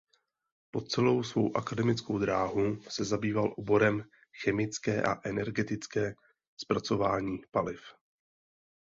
Po celou svou akademickou dráhu se zabýval oborem chemické a energetické zpracování paliv.